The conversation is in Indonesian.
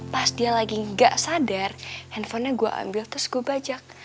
pas dia lagi gak sadar handphonenya gue ambil terus gue bajak